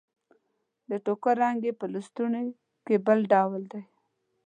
د ټوکر رنګ يې په لستوڼي کې بل ډول دی.